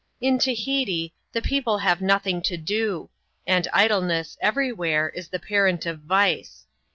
In Tahiti the people have nothing to do ; and idleness, everywhere, is the parent of vice.